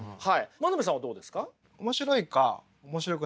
真鍋さんはどうですか？